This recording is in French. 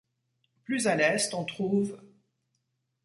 Plus à l'est on trouve '.